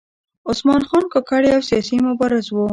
عثمان خان کاکړ یو سیاسي مبارز و .